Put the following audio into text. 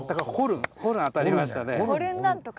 「ホルン」当たりましたね。